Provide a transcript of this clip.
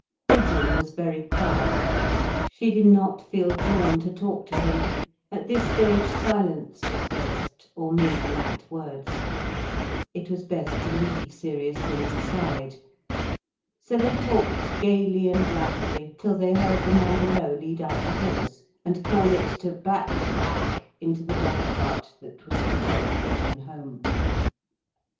Gudrun was very quiet. She did not feel drawn to talk to him. At this stage, silence was best—or mere light words. It was best to leave serious things aside. So they talked gaily and lightly, till they heard the man below lead out the horse, and call it to "back back!" into the dog cart that was to take Gudrun home.